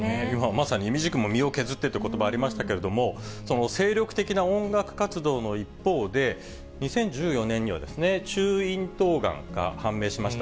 まさにいみじくも身を削ってということばありましたけれども、その精力的な音楽活動の一方で、２０１４年には中咽頭がんが判明しました。